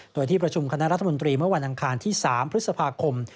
โดยที่ประชุมคณะรัฐมนตรีเมื่อวันอังคารที่๓พฤษภาคม